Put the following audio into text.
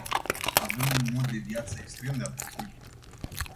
Avem un mod de viață extrem de atractiv.